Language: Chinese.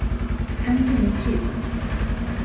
安静的气氛